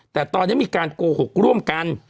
แต่ตอนนี้มีการโกหกร่วมกัน